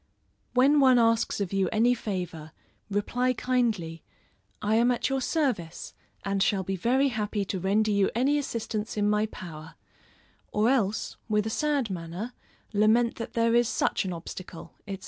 When one asks of you any favor, reply kindly, "I am at your service, and shall be very happy to render you any assistance in my power;" or else, with a sad manner, lament that there is such an obstacle, &c.